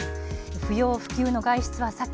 不要不急の外出を避け